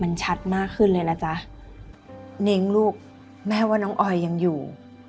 มันชัดมากขึ้นเลยนะจ๊ะนิ้งลูกแม่ว่าน้องออยยังอยู่